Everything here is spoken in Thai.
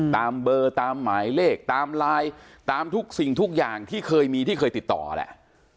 ตามเบอร์ตามหมายเลขตามไลน์ตามทุกสิ่งทุกอย่างที่เคยมีที่เคยติดต่อแหละ